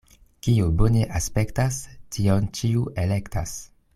Kio bone aspektas, tion ĉiu elektas.